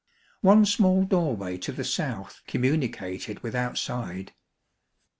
One small doorway to the south communicated with outside.